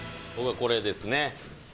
「僕はこれですね」